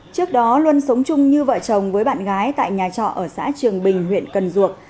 trước đó luân sống chung như vợ chồng với bạn gái tại nhà trọ ở xã trường bình huyện cần duộc